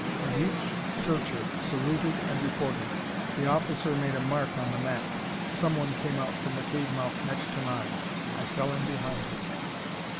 As each searcher saluted and reported, the officer made a mark on the map. Someone came out from the cave mouth next to mine. I fell in behind him.